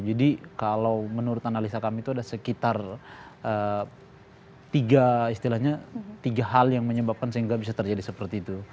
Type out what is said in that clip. jadi kalau menurut analisa kami itu ada sekitar tiga istilahnya tiga hal yang menyebabkan sehingga bisa terjadi seperti itu